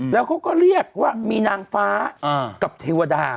แล้วเขาก็เรียกว่ามีนางฟ้ากับเทวดา